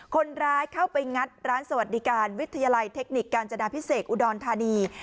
คนร้ายเข้าไปงัดร้านสวัสดิการวิทยาลัยเทคนิคกาญจนาพิเศษอุดรธานี